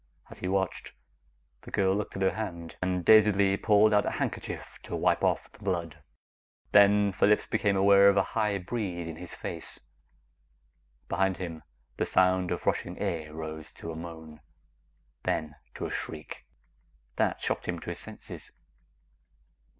As he watched, the girl looked at her hand, and dazedly pulled out a handkerchief to wipe off the blood. Then Phillips became aware of a high breeze in his face. Behind him, the sound of rushing air rose to a moan, then to a shriek. That shocked him to his senses.